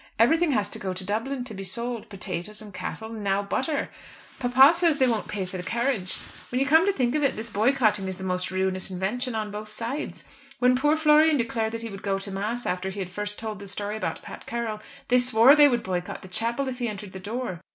Everything has to go to Dublin to be sold: potatoes and cattle, and now butter. Papa says that they won't pay for the carriage. When you come to think of it, this boycotting is the most ruinous invention on both sides. When poor Florian declared that he would go to mass after he had first told the story about Pat Carroll, they swore they would boycott the chapel if he entered the door.